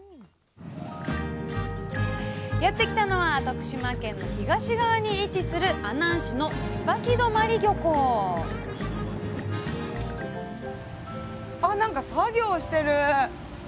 やって来たのは徳島県の東側に位置する阿南市の椿泊漁港あっ何か作業してる。